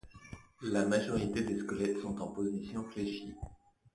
La majorité des squelettes sont en position fléchie.